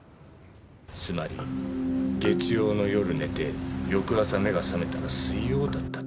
つまり月曜の夜寝て翌朝目が覚めたら水曜だったと。